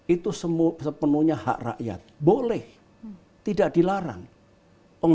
itu sepenuhnya hak rakyat boleh tidak dilarang